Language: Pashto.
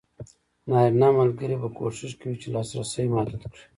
نارینه ملګري به کوښښ کوي چې لاسرسی محدود کړي.